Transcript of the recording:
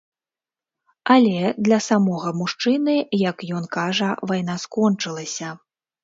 Але для самога мужчыны, як ён кажа, вайна скончылася.